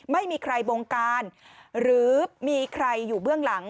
ไม่มีใครบงการหรือมีใครอยู่เบื้องหลัง